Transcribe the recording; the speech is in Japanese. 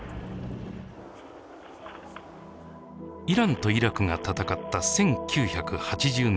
イランとイラクが戦った１９８０年代。